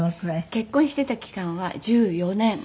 結婚していた期間は１４年。